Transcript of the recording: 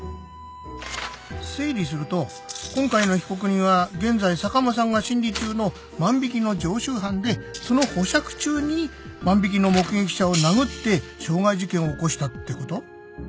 整理すると今回の被告人は現在坂間さんが審理中の万引の常習犯でその保釈中に万引の目撃者を殴って傷害事件を起こしたってこと？